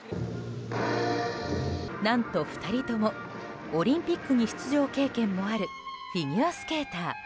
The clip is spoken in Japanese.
何と、２人ともオリンピックに出場経験もあるフィギュアスケーター。